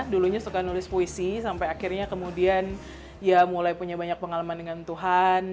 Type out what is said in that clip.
dulunya suka nulis puisi sampai akhirnya kemudian ya mulai punya banyak pengalaman dengan tuhan